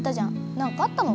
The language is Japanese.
何かあったの？